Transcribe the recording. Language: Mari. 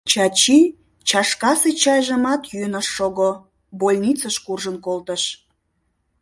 Чачи чашкасе чайжымат йӱын ыш шого — больницыш куржын колтыш.